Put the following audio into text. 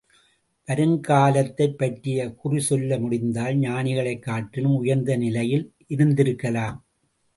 வருங்காலத்தைப்பற்றிக் குறி சொல்ல முடிந்தால் ஞானிகளைக் காட்டிலும் உயர்ந்த நிலையில் இருந்திருக்கலாம்.